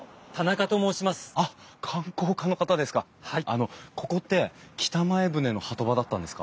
あのここって北前船の波止場だったんですか？